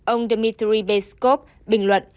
ông dmitry beskov bình luận